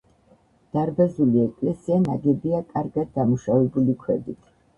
დარბაზული ეკლესია ნაგებია კარგად დამუშავებული ქვებით.